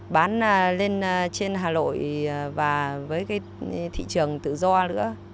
bán lên trên hà lội và với thị trường tự do nữa